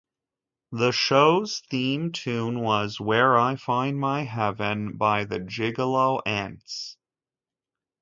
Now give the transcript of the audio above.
The show's theme tune was "Where I Find My Heaven" by the Gigolo Aunts.